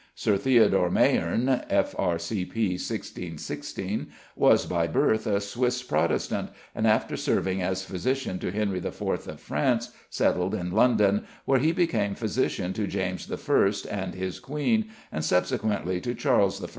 =Sir Theodore Mayerne= (F.R.C.P. 1616), was by birth a Swiss Protestant, and after serving as physician to Henry IV. of France, settled in London, where he became physician to James I. and his Queen, and subsequently to Charles I.